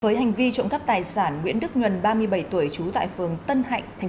với hành vi trộm cắp tài sản nguyễn đức nhuần ba mươi bảy tuổi trú tại phường tân hạnh